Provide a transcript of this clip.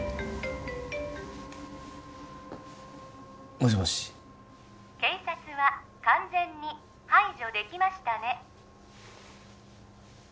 もしもし警察は完全に排除できましたね